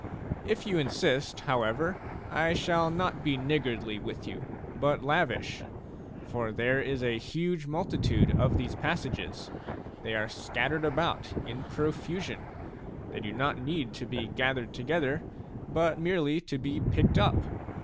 If you insist, however, I shall not be niggardly with you, but lavish ; for there is a huge multitude of these passages ; they are scattered about in pro fusion, — they do not need to be gathered together, but merely to be picked up.